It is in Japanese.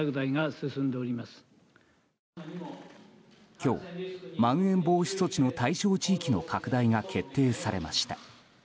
今日、まん延防止措置の対象地域の拡大が決定されました。